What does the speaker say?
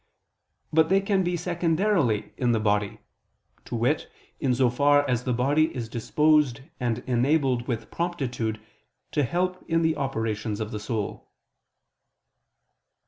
But they can be secondarily in the body: to wit, in so far as the body is disposed and enabled with promptitude to help in the operations of the soul.